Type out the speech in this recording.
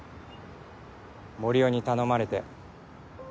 森生に頼まれて。